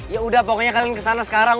ya udah pokoknya kalian kesana sekarang